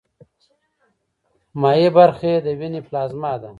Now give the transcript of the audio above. مایع برخه یې د ویني پلازما ده.